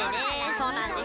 そうなんですよ。